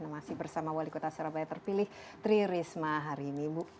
masih bersama wali kota surabaya terpilih tri risma hari ini